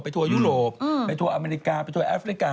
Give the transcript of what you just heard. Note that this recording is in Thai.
ทัวร์ยุโรปไปทัวร์อเมริกาไปทัวแอฟริกา